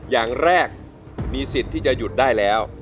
อย่างแรกมีสิทธิ์ที่จะหยุดได้แล้ว